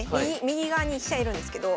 右側に飛車居るんですけど。